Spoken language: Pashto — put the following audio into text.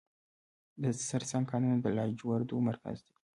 د سرسنګ کانونه د لاجوردو مرکز دی